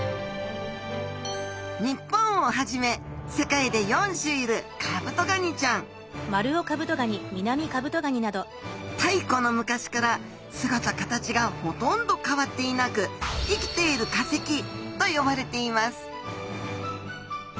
日本をはじめ世界で４種いるカブトガニちゃん太古の昔から姿形がほとんど変わっていなく生きている化石と呼ばれています